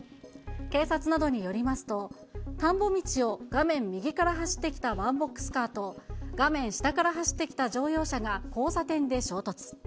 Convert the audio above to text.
警察などによりますと、田んぼ道を画面右から走ってきたワンボックスカーと、画面下から走ってきた乗用車が交差点で衝突。